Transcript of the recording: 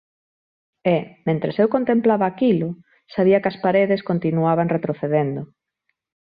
E, mentres eu contemplaba aquilo, sabía que as paredes continuaban retrocedendo.